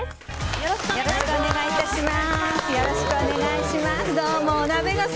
よろしくお願いします。